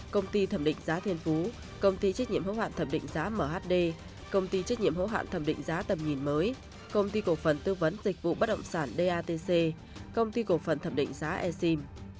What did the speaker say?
công ty thẩm định giá thiên phú công ty trách nhiệm hữu hạn thẩm định giá mhd công ty trách nhiệm hữu hạn thẩm định giá tầm nhìn mới công ty cổ phần tư vấn dịch vụ bất động sản datc công ty cổ phần thẩm định giá e sim